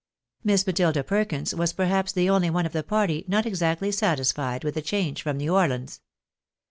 ]\Iiss i\Iatilda Per kins was perhaps the only one of the party not exactly satisfied with the change from New Orleans.